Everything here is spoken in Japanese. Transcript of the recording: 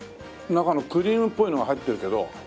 中のクリームっぽいのが入ってるけど。